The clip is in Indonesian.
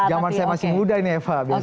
zaman saya masih muda ini eva